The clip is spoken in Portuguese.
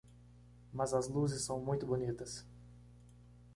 Mas as luzes são muito bonitas.